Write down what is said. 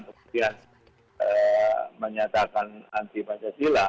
kemudian menyatakan anti pancasila